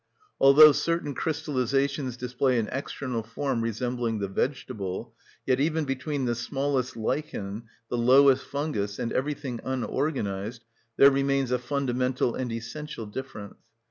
Although certain crystallisations display an external form resembling the vegetable, yet even between the smallest lichen, the lowest fungus, and everything unorganised there remains a fundamental and essential difference.